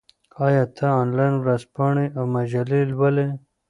آیا ته انلاین ورځپاڼې او مجلې لولې؟